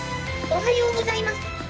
おはようございます。